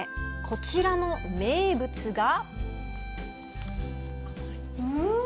こちらの名物が。